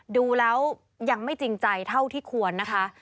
ดูแล้วยังไม่จริงใจเท่าที่ควรนะคะ